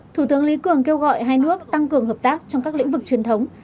thủ tướng lý cường kêu gọi hai nước tăng cường hợp tác trong các lĩnh vực truyền thống